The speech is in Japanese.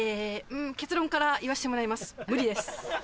結論から言わせてもらいます無理です。